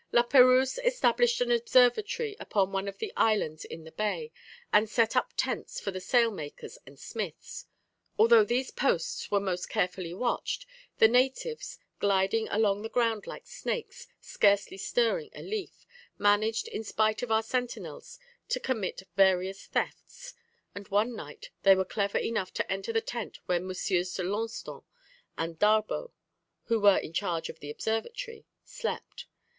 La Perouse established an observatory upon one of the islands in the bay, and set up tents for the sail makers and smiths. Although these posts were most carefully watched, the natives, gliding along the ground like snakes, scarcely stirring a leaf, managed in spite of our sentinels to commit various thefts; and one night they were clever enough to enter the tent where MM. de Launston and Darbaud (who were in charge of the observatory) slept.